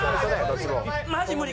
マジ無理。